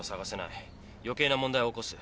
余計な問題は起こす。